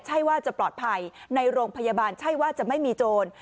ใช่ว่าจะปลอดภัยในโรงพยาบาลใช่ว่าจะไม่มีโจร